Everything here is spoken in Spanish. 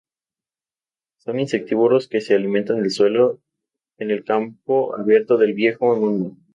Son insectívoros que se alimentan del suelo en el campo abierto del Viejo Mundo.